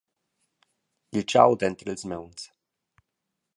Il tgau denter ils mauns.